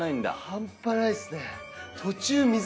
半端ないっすね。